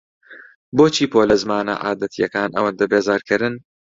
بۆچی پۆلە زمانە عادەتییەکان ئەوەندە بێزارکەرن؟